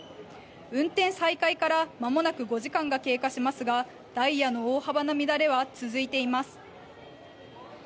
運転再開からまもなく５時間が経過しますが、ダイヤの大幅な乱れは続いています。